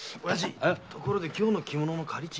ところで今日の着物の借り賃だが。